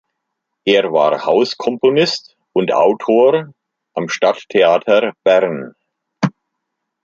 Er war Hauskomponist und -autor am Stadttheater Bern.